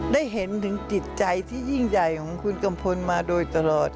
ได้เห็นถึงจิตใจที่ยิ่งใหญ่ของคุณกัมพลมาโดยตลอด